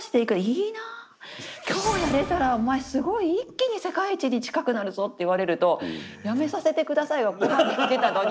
「いいなあ今日やれたらお前すごい一気に世界一に近くなるぞ」って言われると「やめさせて下さい」がここまで来てたのに。